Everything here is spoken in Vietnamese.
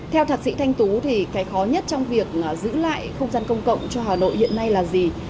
theo thạc sĩ thanh tú thì cái khó nhất trong việc giữ lại không gian công cộng cho hà nội hiện nay là gì